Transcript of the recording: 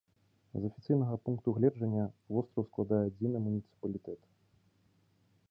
З афіцыйнага пункту гледжання востраў складае адзіны муніцыпалітэт.